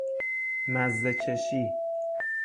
مزه چشی